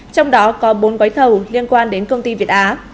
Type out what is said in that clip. trong đó có bốn gói thầu liên quan đến công ty việt á